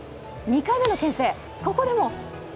２回目のけん制、ここでも。